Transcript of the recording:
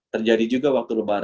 terjadi juga waktu lebaran